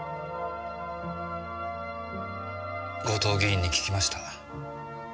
後藤議員に聞きました。